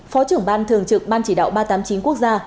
phó trưởng ban thường trực ban chỉ đạo ba trăm tám mươi chín quốc gia